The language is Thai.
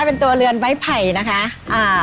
เป็นตัวเรือนไม้ไผ่นะคะอ่า